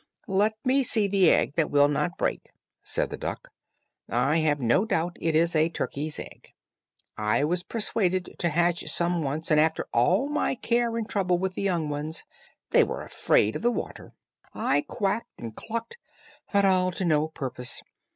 "Let me see the egg that will not break," said the duck; "I have no doubt it is a turkey's egg. I was persuaded to hatch some once, and after all my care and trouble with the young ones, they were afraid of the water. I quacked and clucked, but all to no purpose.